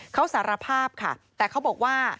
เขาสารภาพค่ะแต่เขาบอกว่า